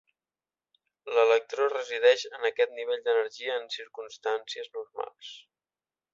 L'electró resideix en aquest nivell d'energia en circumstàncies normals.